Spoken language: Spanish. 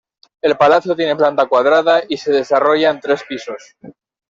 El palacio tiene planta cuadrada y se desarrolla en tres pisos.